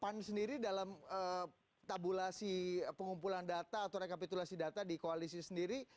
pan sendiri dalam tabulasi pengumpulan data atau rekapitulasi data di koalisi sendiri